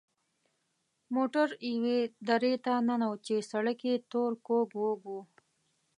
موټر یوې درې ته ننوت چې سړک یې تور کوږ وږ و.